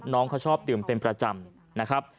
น้องเขาชอบดื่มเป็นประจำ